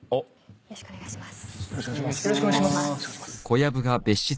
よろしくお願いします。